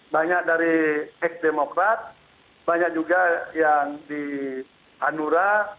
banyak dari ex demokrat banyak juga yang di hanura